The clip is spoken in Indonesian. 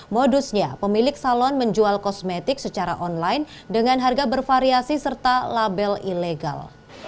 modusnya pemilik salon menjual kosmetik secara online dengan harga bervariasi serta label ilegal